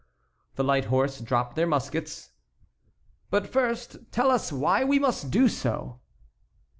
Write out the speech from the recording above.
The light horse dropped their muskets. "But first tell us why we must do so?"